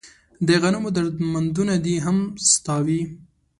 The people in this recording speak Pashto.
د غنمو درمندونه دې هم ستا وي